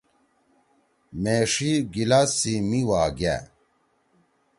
میݜی گلاس سی می وا گأ۔